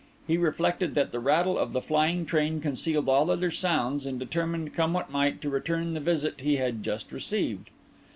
He reflected that the rattle of the flying train concealed all other sounds, and determined, come what might, to return the visit he had just received.